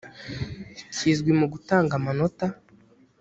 kizwi mu gutanga amanota